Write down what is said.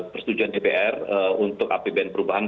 persetujuan dpr untuk apbn perubahan